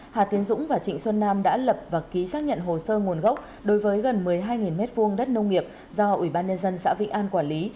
hà tiến dũng và trịnh xuân nam đã lập và ký xác nhận hồ sơ nguồn gốc đối với gần một mươi hai m hai đất nông nghiệp do ubnd xã vĩnh an quản lý